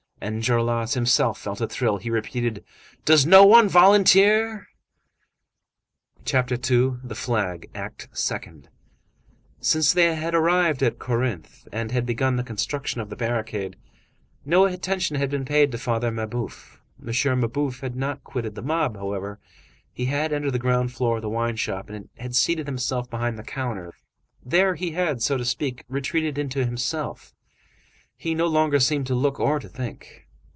Enjolras himself felt a thrill. He repeated:— "Does no one volunteer?" CHAPTER II—THE FLAG: ACT SECOND Since they had arrived at Corinthe, and had begun the construction of the barricade, no attention had been paid to Father Mabeuf. M. Mabeuf had not quitted the mob, however; he had entered the ground floor of the wine shop and had seated himself behind the counter. There he had, so to speak, retreated into himself. He no longer seemed to look or to think.